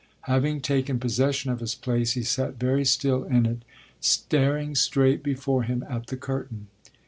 Having taken possession of his place he sat very still in it, staring straight before him at the curtain.